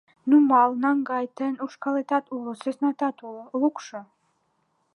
Нумал, наҥгай, тыйын ушкалетат уло, сӧснатат уло — лукшо.